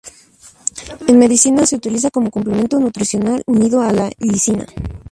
En Medicina se utiliza como complemento nutricional unido a la lisina.